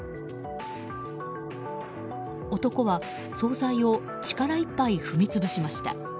男は総菜を力いっぱい踏み潰しました。